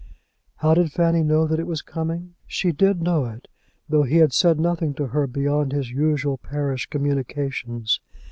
How did Fanny know that it was coming? She did know it, though he had said nothing to her beyond his usual parish communications.